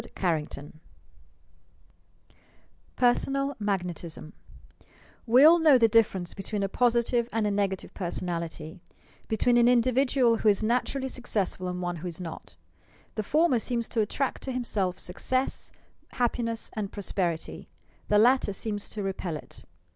CHAPTER XXXI PERSONAL MAGNETISM We all know the difference between a positive and nega tive personality; between an individual who is natur ally successful and one who is not. The former seems to attract to himself success, happiness and prosperity; the latter seems to repel it.